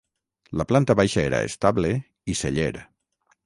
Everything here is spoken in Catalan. La planta baixa era estable i celler.